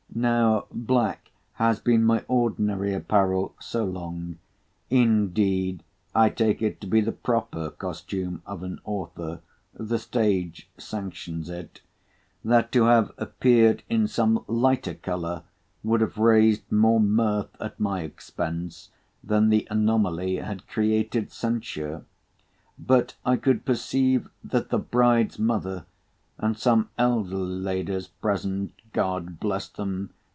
Now black has been my ordinary apparel so long—indeed I take it to be the proper costume of an author—the stage sanctions it—that to have appeared in some lighter colour would have raised more mirth at my expense, than the anomaly had created censure. But I could perceive that the bride's mother, and some elderly ladies present (God bless them!)